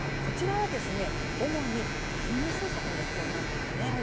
こちらは、主に金融政策の影響なんですね。